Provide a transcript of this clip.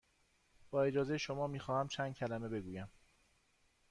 با اجازه شما، می خواهم چند کلمه بگویم.